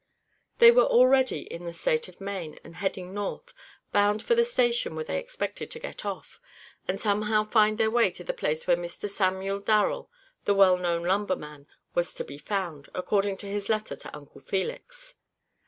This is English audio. They were already in the State of Maine and heading north, bound for the station where they expected to get off, and somehow find their way to the place where Mr. Samuel Darrel, the well known lumberman, was to be found, according to his letter to Uncle Felix.